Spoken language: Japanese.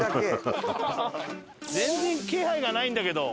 全然気配がないんだけど。